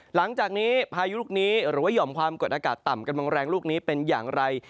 หลังจากนี้พายุลูกนี้หรือว่าห่อมความกดอากาศต่ำกำลังแรงลูกนี้เป็นอย่างไร